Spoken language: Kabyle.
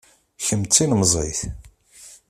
Kemm d tilemẓit